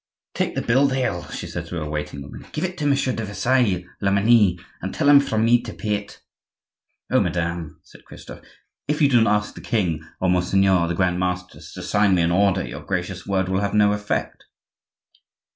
"Take the bill, Dayelle," she said to her waiting woman; "give it to Monsieur de Versailles (Lomenie) and tell him from me to pay it." "Oh! madame," said Christophe, "if you do not ask the king or monseigneur the grand master to sign me an order your gracious word will have no effect."